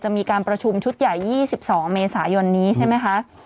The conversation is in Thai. มีการประชุมชุดใหญ่๒๒เมษายนนี้ใช่ไหมคะ